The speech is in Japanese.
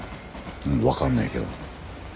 わかんないけど。